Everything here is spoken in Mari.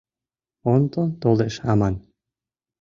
Онтон толеш аман.